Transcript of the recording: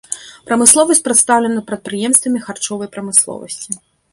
Прамысловасць прадстаўлена прадпрыемствамі харчовай прамысловасці.